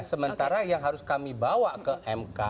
sementara yang harus kami bawa ke mk